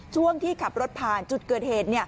ช่วงที่ขับรถผ่านจุดเกิดเหตุ